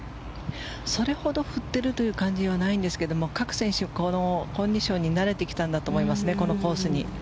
それほど振ってるという感じはないですが各選手、このコンディションに慣れてきたんだと思います。